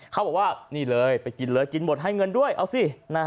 เขาบอกว่านี่เลยไปกินเลยกินหมดให้เงินด้วยเอาสิ